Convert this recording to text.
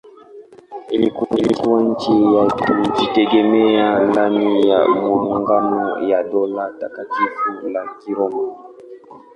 Ilikuwa nchi ya kujitegemea ndani ya maungano ya Dola Takatifu la Kiroma.